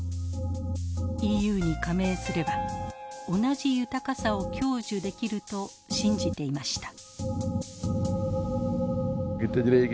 ＥＵに加盟すれば同じ豊かさを享受できると信じていました。